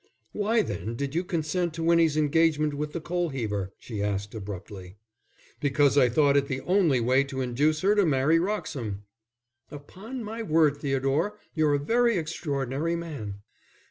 "Why, then, did you consent to Winnie's engagement with the coal heaver?" she asked, abruptly. "Because I thought it the only way to induce her to marry Wroxham." "Upon my word, Theodore, you're a very extraordinary man."